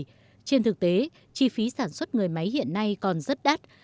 trong thế giới thực tế chi phí sản xuất người máy hiện nay còn rất đắt